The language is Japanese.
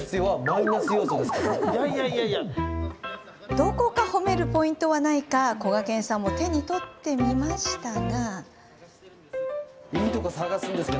どこか褒めるポイントはないかこがけんさんも手に取ってみましたが。